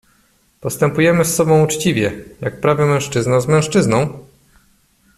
"Postępujemy z sobą uczciwie, jak prawy mężczyzna z mężczyzną?..."